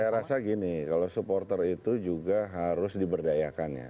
saya rasa gini kalau supporter itu juga harus diberdayakannya